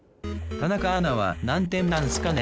田中アナは何点なんすかね？